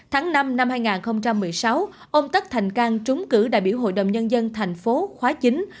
tháng năm năm hai nghìn một mươi sáu ông tất thành cang trúng cử đại biểu hội đồng nhân dân thành phố hồ chí minh